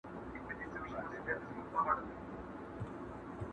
سل خوشحاله ارمانجن دي ګورته تللي,